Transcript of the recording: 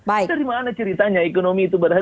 dari mana ceritanya ekonomi itu berhasil